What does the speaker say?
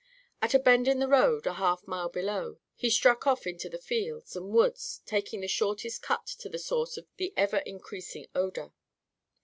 At a bend in the road, a half mile below, he struck off into the fields and woods, taking the shortest cut to the source of the ever increasing odour.